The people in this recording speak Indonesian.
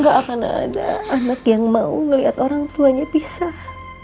gak akan ada anak yang mau melihat orang tuanya pisah